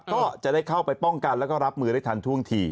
ก็จะได้เข้าไปป้องกันแล้วก็รับมือได้ทันท่วงที